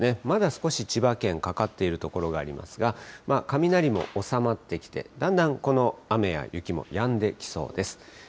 まだ少し千葉県、かかっている所ありますが、雷も収まってきて、だんだんこの雨や雪もやんできそうです。